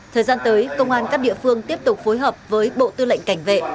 thời gian tới công an các địa phương tiếp tục phối hợp với bộ tư lệnh cảnh vệ